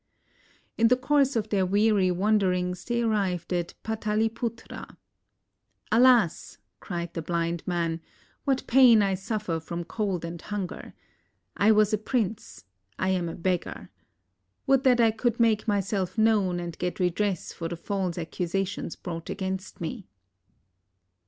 In the course of their weary wanderings they arrived at Pataliputra. "Alas," cried the blind man, "what pain I suffer from cold and hunger. I was a prince; I am a beggar. Would that I could make myself known, and get redress for the false accusations brought against me."